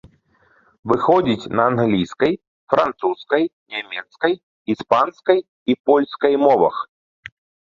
Выходзіць на англійскай, французскай, нямецкай, іспанскай і польскай мовах.